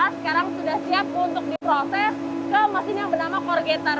sekarang sudah siap untuk diproses ke mesin yang bernama corgator